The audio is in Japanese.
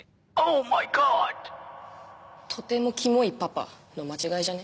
「とてもキモいパパ」の間違いじゃね？